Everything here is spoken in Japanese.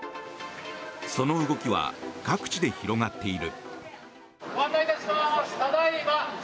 その動きは各地で広がっている。